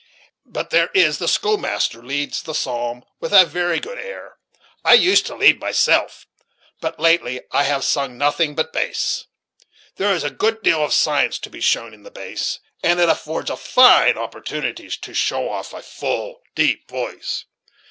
But there is the school master leads the psalm with a very good air. I used to lead myself, but latterly I have sung nothing but bass. There is a good deal of science to be shown in the bass, and it affords a fine opportunity to show off a full, deep voice.